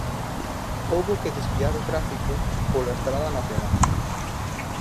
Houbo que desviar o tráfico pola estrada nacional.